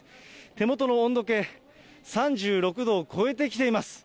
手元の温度計、３６度を超えてきています。